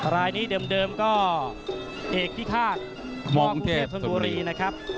รายนี้เดิมก็เอกพิฆาตพ่อกรุงเทพธรรมบุรีนะครับ